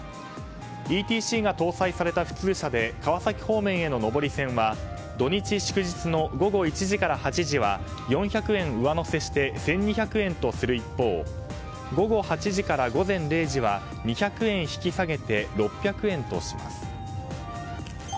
ＥＴＣが搭載された普通車で川崎方面への上り線は土日・祝日の午後１時から８時は４００円上乗せして１２００円とする一方午後８時から午前０時は２００円引き下げて６００円とします。